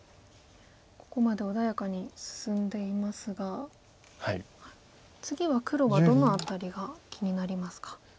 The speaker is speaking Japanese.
ここまで穏やかに進んでいますが次は黒はどの辺りが気になりますか。